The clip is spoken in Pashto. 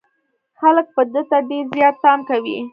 خلک به ده ته ډېر زيات پام کوي.